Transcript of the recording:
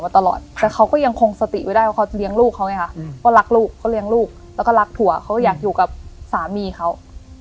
ตลอดแต่เขาก็ยังคงสติไว้ได้ว่าเขาเลี้ยงลูกเขาไงค่ะก็รักลูกเขาเลี้ยงลูกแล้วก็รักผัวเขาอยากอยู่กับสามีเขา